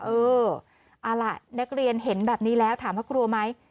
เออเอาล่ะนักเรียนเห็นแบบนี้แล้วถามว่ากลัวไหม